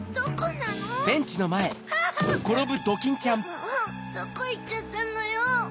もうどこいっちゃったのよ？